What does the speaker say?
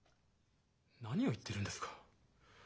何を言ってるんですか？